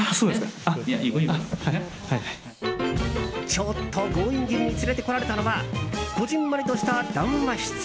ちょっと強引気味に連れてこられたのはこじんまりとした談話室。